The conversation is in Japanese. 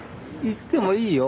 行ってもいいよ。